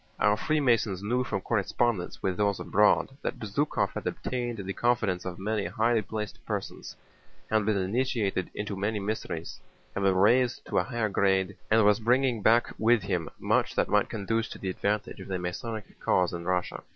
Our Freemasons knew from correspondence with those abroad that Bezúkhov had obtained the confidence of many highly placed persons, had been initiated into many mysteries, had been raised to a higher grade, and was bringing back with him much that might conduce to the advantage of the Masonic cause in Russia.